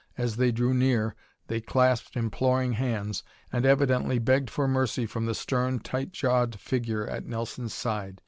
As they drew near, they clasped imploring hands and evidently begged for mercy from the stern, tight jawed figure at Nelson's side.